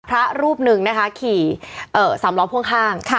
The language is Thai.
พระรูปหนึ่งขี่๓๐๐พ่วงค่าง